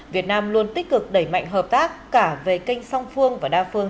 việt nam luôn tích cực đẩy mạnh hợp tác cả về kênh song phương và đa phương